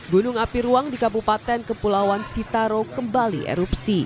gunung api ruang di kabupaten kepulauan sitaro kembali erupsi